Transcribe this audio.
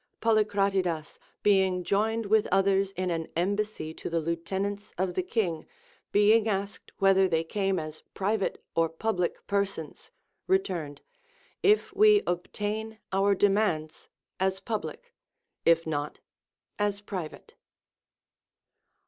Polycratidas being joined Ayith others in an embassy to the Heutenants of the king, being asked whether they came as private or pubhc persons, returned, If we obtain our demands, as pubhc ; if not, as private.